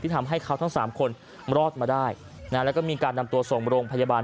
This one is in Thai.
ทำให้เขาทั้งสามคนรอดมาได้แล้วก็มีการนำตัวส่งโรงพยาบาล